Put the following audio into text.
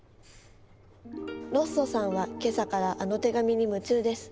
ロッソさんは今朝からあの手紙に夢中です。